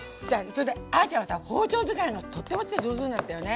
それであちゃんはさ包丁使いがとっても上手になったよね。